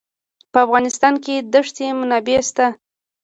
په افغانستان کې د ښتې منابع شته.